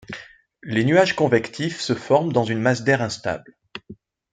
Les nuages convectifs se forment dans une masse d'air instable.